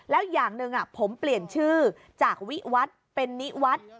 แล้วอย่างหนึ่งผมเปลี่ยนชื่อจากวิวัตรเป็นนิวัฒน์